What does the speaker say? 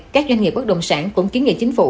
các doanh nghiệp bất động sản cũng kiến nghị chính phủ